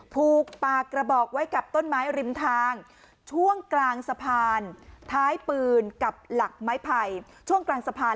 ผูกปากระบอกไว้กับต้นไม้ริมทางช่วงกลางสะพาน